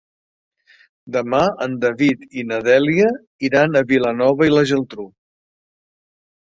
Demà en David i na Dèlia iran a Vilanova i la Geltrú.